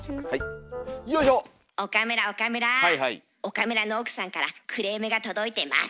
岡村の奥さんからクレームが届いてます。